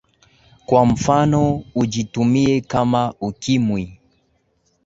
kwa mfano ujitumie Kama ukimwi.